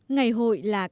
ngày hội là cách